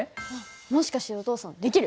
もしかしてお父さんできる？